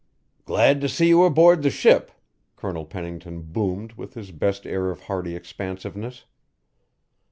"Glad to see you aboard the ship," Colonel Pennington boomed with his best air of hearty expansiveness.